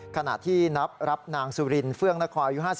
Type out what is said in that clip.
ขณะที่นับรับนางสุรินฯเฟื้องนครอายุ๕๘ปีจากโรงพยาบาล